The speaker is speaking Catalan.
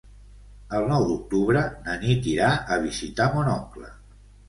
El nou d'octubre na Nit irà a visitar mon oncle.